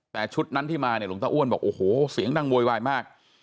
แต่ชุดนั้นที่มาเนี่ยหลวงตาอ้วนบอกโอ้โหเสียงดังโวยวายมาก